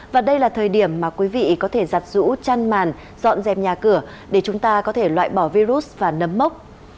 và đây là thời điểm mà quý vị có thể giặt rũ chăn màn dọn dẹp nhà cửa để chúng ta có thể loại bỏ virus và nấm mốc